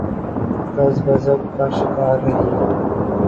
تذبذب کا شکار رہی۔